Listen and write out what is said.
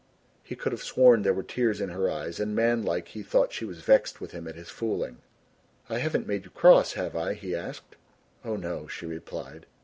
He could have sworn there were tears in her eyes and manlike he thought she was vexed with him at his fooling. "I haven't made you cross, have I?" he asked. "Oh no," she replied.